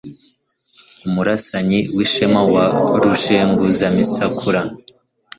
Umurasanyi w' ishema wa rushenguzamisakura